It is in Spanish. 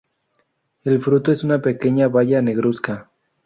El fruto es una pequeña baya negruzca.